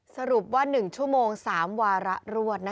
สรุปว่า๑ชั่วโมง๓วาระรวด